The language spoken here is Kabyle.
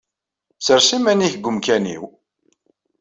Sres iman-ik deg umkan-iw.